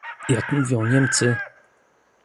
Jak mówią Niemcy